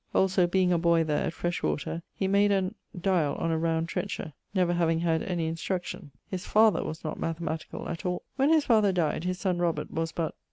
Also, being a boy there, at Freshwater, he made an ... diall on a round trencher; never having had any instruction. His father was not mathematicall at all. When his father dyed, his son Robert was but